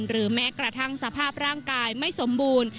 แม้กระทั่งสภาพร่างกายไม่สมบูรณ์